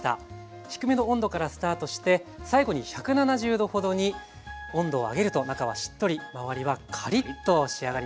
低めの温度からスタートして最後に１７０℃ほどに温度を上げると中はしっとり周りはカリッと仕上がります。